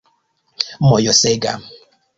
mojosega